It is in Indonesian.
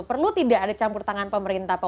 perlu tidak ada campur tangan pemerintah pak